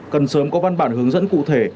cần sớm có văn bản hướng dẫn cụ thể